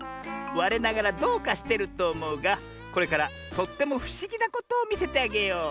われながらどうかしてるとおもうがこれからとってもふしぎなことをみせてあげよう。